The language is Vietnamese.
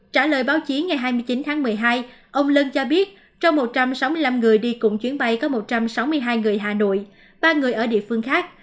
trả lời báo chí ngày hai mươi chín tháng một mươi hai ông lân cho biết trong một trăm sáu mươi năm người đi cùng chuyến bay có một trăm sáu mươi hai người hà nội ba người ở địa phương khác